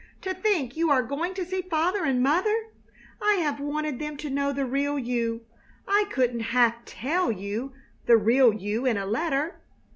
"To think you are going to see father and mother. I have wanted them to know the real you. I couldn't half tell you, the real you, in a letter!"